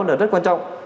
là rất quan trọng